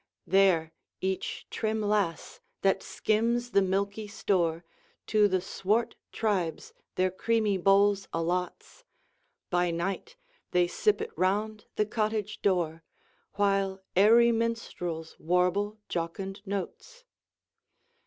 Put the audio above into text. There each trim lass that skims the milky store To the swart tribes their creamy bowl allots; By night they sip it round the cottage door, While airy minstrels warble jocund notes.